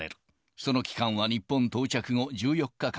その期間は日本到着後１４日間。